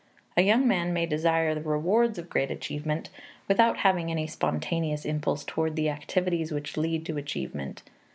A young man may desire the rewards of great achievement without having any spontaneous impulse toward the activities which lead to achievement.